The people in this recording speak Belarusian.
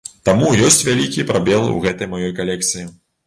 Таму ёсць вялікі прабел у гэтай маёй калекцыі.